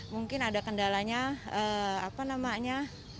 mungkin ada kendalanya apa namanya